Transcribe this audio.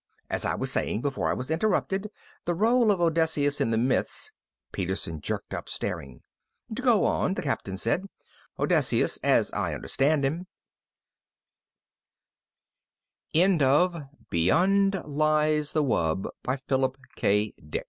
"As I was saying before I was interrupted, the role of Odysseus in the myths " Peterson jerked up, staring. "To go on," the Captain said. "Odysseus, as I understand him " Transcriber's Note: This etext was produced fro